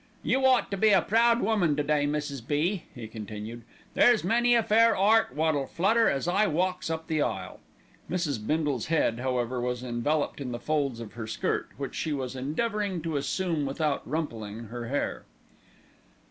"You ought to be a proud woman to day, Mrs. B.," he continued. "There's many a fair 'eart wot'll flutter as I walks up the aisle." Mrs. Bindle's head, however, was enveloped in the folds of her skirt, which she was endeavouring to assume without rumpling her hair.